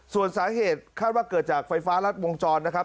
ส่วนสาเหตุคาดว่าเกิดจากไฟฟ้ารัดวงจรนะครับ